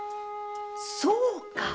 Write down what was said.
そうか！